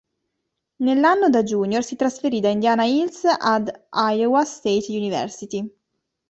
Nell'anno da junior si trasferì da Indiana Hills ad Iowa State University.